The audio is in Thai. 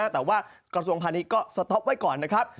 แต่ว่ากระทรวงพาณิชย์ก็สต๊อปไว้ก่อนนะครับ